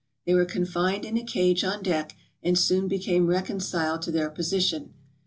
They were confined in a cage on deck, and soon became rec onciled to their position.